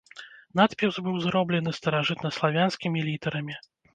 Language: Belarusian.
Надпіс быў зроблены старажытнаславянскімі літарамі.